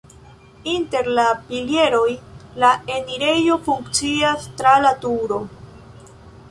Inter la pilieroj la enirejo funkcias tra la turo.